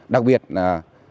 đặc biệt là